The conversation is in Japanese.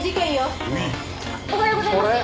おはようございます！